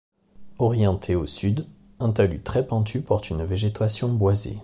Orienté au sud, un talus très pentu porte une végétation boisée.